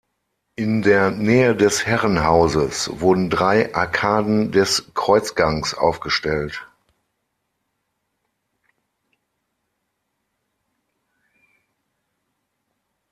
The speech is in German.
In der Nähe des Herrenhauses wurden drei Arkaden des Kreuzgangs aufgestellt.